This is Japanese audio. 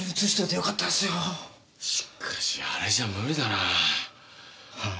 しっかしあれじゃ無理だなあ。